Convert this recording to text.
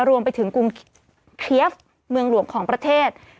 รวมไปถึงกรุงเพียฟเมืองหลวงของประเทศ